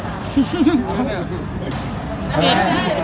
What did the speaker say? ผมก็รู้สึกว่า